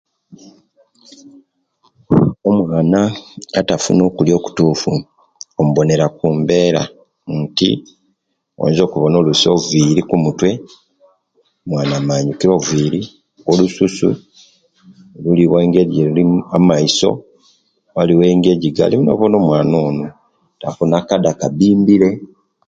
Omwana atafuna okulya okutufu omuwonera kumbera nti oyinza okubona oluisi obuviri kumutwe omwana amanyukire obuviri olususu luliwo engeri ejulilomu amaiso eriyo engeri ejigalimu obona omwana ono afuna akada kabimbire